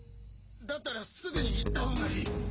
だったらすぐに行った方がいい。